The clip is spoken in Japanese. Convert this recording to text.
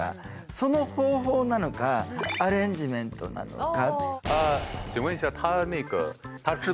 その方法なのかアレンジメントなのか。